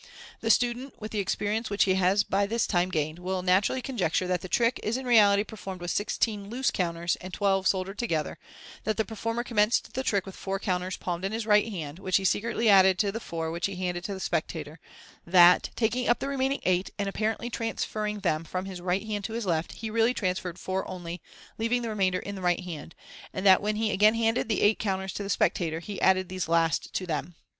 The student, with the experience which he has by this time gained, will naturally conjecture that the trick is in reality performed with sixteen loose counters, and twelve soldered together; that the performer commenced the trick with four counters palmed in his right hand, which he secretly added to the four which he handed to the spectator; that, taking up the remaining eight, and apparently transferring them from his right hand to his left, he reaiiy transferred four only, leaving the remainder in the right hand ; and that when he again handed the eight counters to the spectator, he added these last to them.